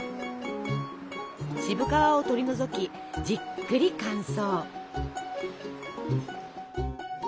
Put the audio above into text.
渋皮を取り除きじっくり乾燥。